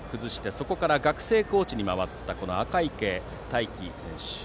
そこから学生コーチに回った赤池泰樹選手。